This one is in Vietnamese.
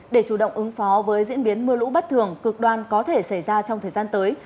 để chủ động ứng phó với diễn biến mưa lũ bất thường cực đoan có thể xảy ra trong thời gian tới